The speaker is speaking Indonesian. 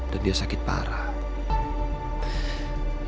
dan dia sakit parah